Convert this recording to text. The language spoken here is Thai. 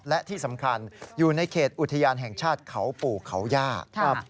และที่สำคัญอยู่ในเขตอุทยานแห่งชาติเขาปู่เขาย่าครับ